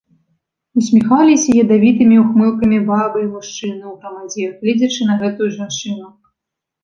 Усміхаліся ядавітымі ўхмылкамі бабы і мужчыны ў грамадзе, гледзячы на гэтую жанчыну.